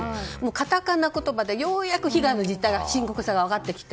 カタカナ言葉で、ようやく被害の実態、深刻さが分かってきて。